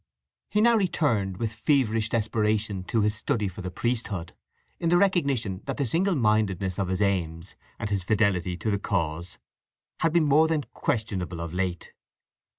He now returned with feverish desperation to his study for the priesthood—in the recognition that the single mindedness of his aims, and his fidelity to the cause, had been more than questionable of late.